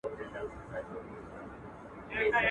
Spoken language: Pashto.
o اړ سترگي نه لري.